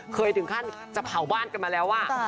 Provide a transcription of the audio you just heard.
เคยถึงขั้นจะเผาบ้านกันมาแล้ว